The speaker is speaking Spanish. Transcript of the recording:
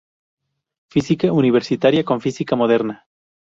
Física Universitaria con Física Moderna.